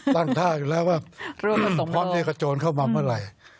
ตั้งท่าอยู่แล้วว่าพร้อมเยี่ยมกับโจรเข้ามาเมื่อไหร่